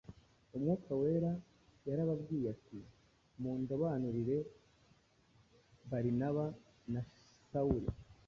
Umwuka Wera yarababwiye ati: ‘Mundobanurire Barinaba na Sawuli,